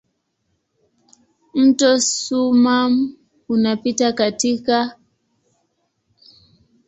Mto Soummam unapita katikati ya mji.